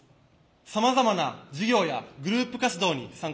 さまざまな授業やグループ活動に参加しました。